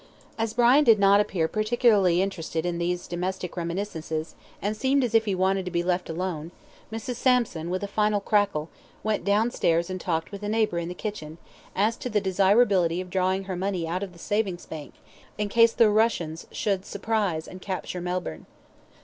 As Brian did not appear particularly interested in these domestic reminiscences, and seemed as if he wanted to be left alone, Mrs. Sampson, with a final crackle, went down stairs and talked with a neighbour in the kitchen, as to the desirability of drawing her money out of the Savings Bank, in case the Russians should surprise and capture Melbourne.